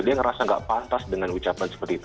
dia ngerasa gak pantas dengan ucapan seperti itu